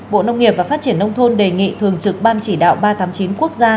bộ nông nghiệp và phát triển nông thôn đề nghị thường trực ban chỉ đạo ba trăm tám mươi chín quốc gia